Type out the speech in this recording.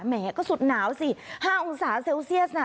แหมก็สุดหนาวสิ๕องศาเซลเซียสน่ะ